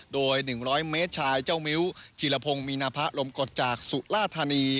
โดย๑๐๐เมตรชายเจ้ามิ้วชีรพงศ์มีนาพะลมกฎจากสุราธานี